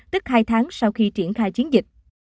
tức hai tháng sau khi triển khai chiến dịch